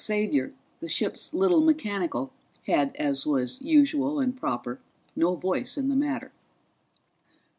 Xavier, the ship's little mechanical, had as was usual and proper no voice in the matter.